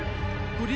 ゴリ！